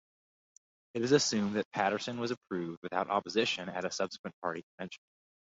It is assumed that Patterson was approved without opposition at a subsequent party convention.